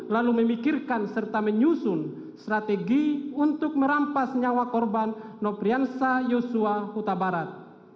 lalu memikirkan serta menyusun strategi untuk merampas nyawa korban nopriansa yosua huta barat